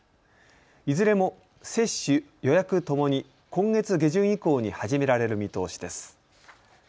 いずれも接種、予約ともに今月下旬以降に始められる見通しです。